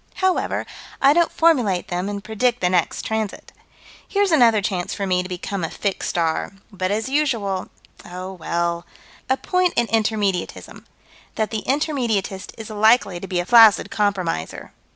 However, I don't formulate them and predict the next transit. Here's another chance for me to become a fixed star but as usual oh, well A point in Intermediatism: That the Intermediatist is likely to be a flaccid compromiser.